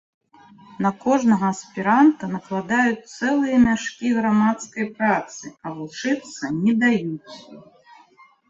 На кожнага аспіранта накладаюць цэлыя мяшкі грамадскай працы, а вучыцца не даюць.